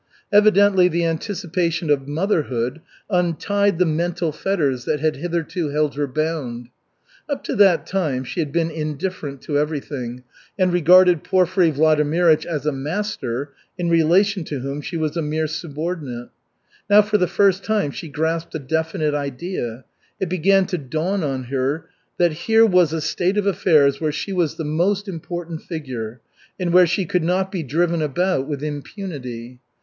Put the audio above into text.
Evidently the anticipation of motherhood untied the mental fetters that had hitherto held her bound. Up to that time she had been indifferent to everything and regarded Porfiry Vladimirych as a "master" in relation to whom she was a mere subordinate. Now, for the first time, she grasped a definite idea. It began to dawn on her that here was a state of affairs where she was the most important figure, and where she could not be driven about with impunity.